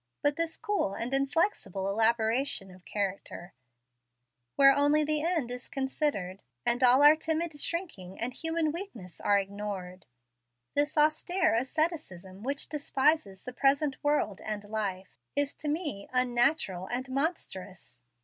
But this cool and inflexible elaboration of character, where only the end is considered, and all our timid shrinking and human weakness are ignored, this austere asceticism which despises the present world and life, is to me unnatural and monstrous.